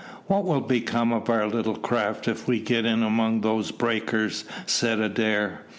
"What will become of our little craft if we get in among those breakers?" said Adair.